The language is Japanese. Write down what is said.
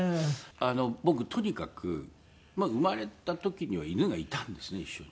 僕とにかく生まれた時には犬がいたんですね一緒に。